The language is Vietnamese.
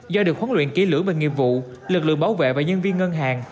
do được khuấn luyện kỷ lưỡng về nghiệp vụ lực lượng bảo vệ và nhân viên ngân hàng